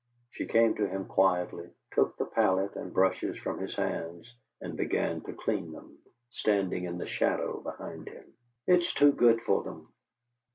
She came to him quietly, took the palette and brushes from his hands and began to clean them, standing in the shadow behind him. "It's too good for them."